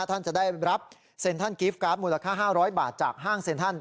ท่านจะได้รับเซ็นทรัลกิฟต์กราฟมูลค่าห้าร้อยบาทจากห้างเซ็นทรัล